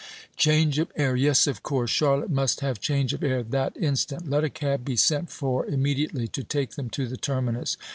Change of air yes, of course Charlotte must have change of air that instant. Let a cab be sent for immediately to take them to the terminus.